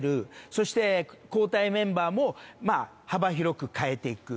そして、交代メンバーも幅広く変えていく。